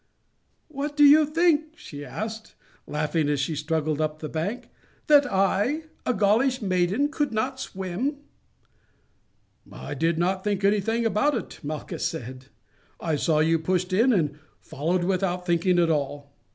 "What, did you think," she asked, laughing as he struggled up the bank, "that I, a Gaulish maiden, could not swim?" "I did not think anything about it," Malchus said; "I saw you pushed in and followed without thinking at all."